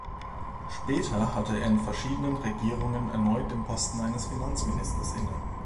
Später hatte er in verschiedenen Regierungen erneut den Posten eines Finanzministers inne.